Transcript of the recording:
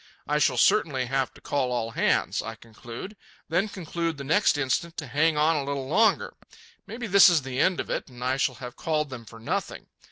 I shall certainly have to call all hands, I conclude; then conclude the next instant to hang on a little longer. Maybe this is the end of it, and I shall have called them for nothing.